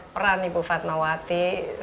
peran ibu fatmawati